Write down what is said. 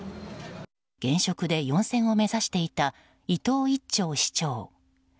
現職で４選を目指していた伊藤一長市長。